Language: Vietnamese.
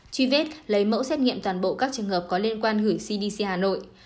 truy vết lấy mẫu xét nghiệm toàn bộ các trường hợp có liên quan gửi cdc hà nội